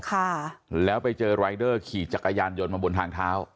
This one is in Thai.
ค่ะแล้วไปเจอรายเดอร์ขี่จักรยานยนต์มาบนทางเท้า